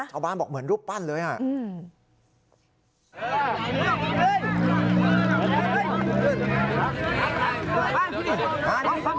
ชาวบ้านบอกเหมือนรูปปั้นเลยอ่ะ